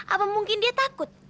apa mungkin dia takut